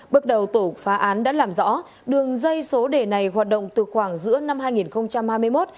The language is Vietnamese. bước đầu tổ phá án đã làm rõ đường dây số đề này hoạt động từ khoảng giữa năm hai nghìn hai mươi một